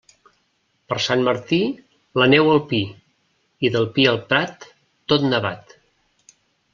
Per Sant Martí, la neu al pi, i del pi al prat, tot nevat.